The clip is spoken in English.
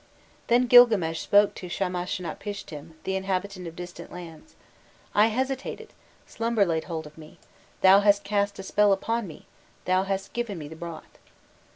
Then Gilgames spoke to Shamashnapishtim, the inhabitant of distant lands: 'I hesitated, slumber laid hold of me; thou hast cast a spell upon me, thou hast given me the broth.